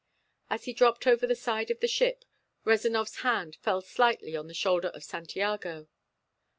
As he dropped over the side of the ship, Rezanov's hand fell lightly on the shoulder of Santiago.